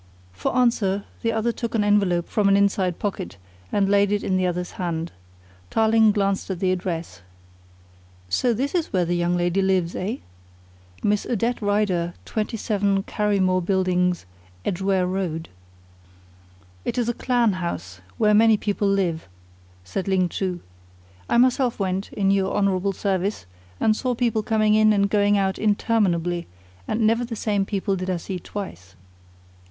For answer the other took an envelope from an inside pocket and laid it in the other's hand. Tarling glanced at the address. "So this is where the young lady lives, eh? Miss Odette Rider, 27, Carrymore Buildings, Edgware Road." "It is a clan house, where many people live," said Ling Chu. "I myself went, in your honourable service, and saw people coming in and going out interminably, and never the same people did I see twice."